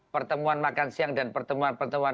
pertemuan makan siang dan pertemuan pertemuan